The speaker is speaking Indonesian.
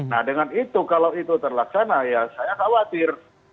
nah dengan itu kalau itu terlaksana ya saya khawatir